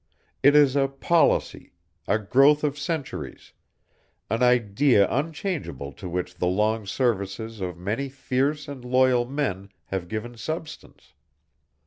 It is a policy, a growth of centuries, an idea unchangeable to which the long services of many fierce and loyal men have given substance.